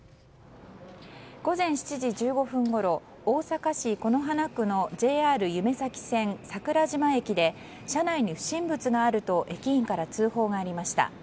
午前７時１５分ごろ大阪市此花区のＪＲゆめ咲線桜島駅で車内に不審物があると駅員から通報がありました。